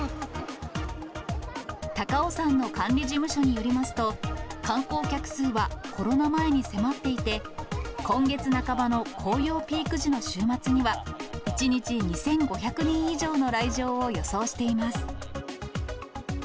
高尾山の管理事務所によりますと、観光客数はコロナ前に迫っていて、今月半ばの紅葉ピーク時の週末には、１日２５００人以上の来場を予想しています。